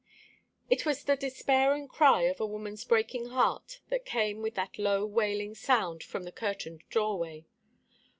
It was the despairing cry of a woman's breaking heart that came with that low wailing sound from the curtained doorway.